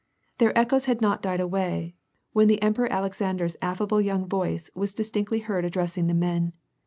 Their echoes had not died away, when the Emperor Alexander's affable young voice was distinctly heard addressing the men.